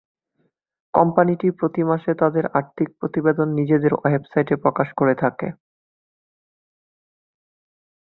কোম্পানিটি প্রতি মাসে তাদের আর্থিক প্রতিবেদন নিজেদের ওয়েবসাইটে প্রকাশ করে থাকে।